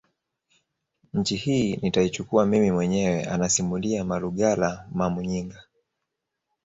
Nchi hii nitaichukua mimi mwenyewe anasimulia Malugala Mwamuyinga